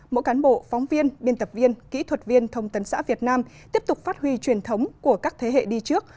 mỗi cán bộ phóng viên biên tập viên kỹ thuật viên thông tấn xã việt nam tiếp tục phát huy truyền thống của các thế hệ đi trước